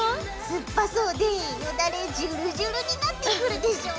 酸っぱそうでよだれジュルジュルになってくるでしょ？